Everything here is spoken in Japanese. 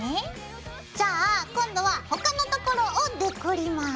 じゃあ今度は他のところをデコります。